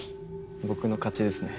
僕の勝ちですね。